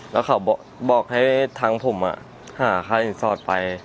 แล้วเขาบอกให้ทางผมหาค่าสินสอดไป